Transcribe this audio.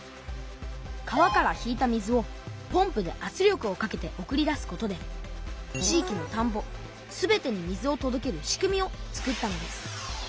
川から引いた水をポンプであつ力をかけて送り出すことで地域のたんぼ全てに水をとどける仕組みを作ったのです。